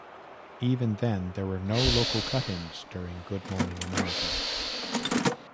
Even then, there were no local cut-ins during Good Morning America.